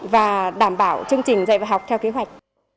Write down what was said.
và đảm bảo chương trình dạy và học theo kế hoạch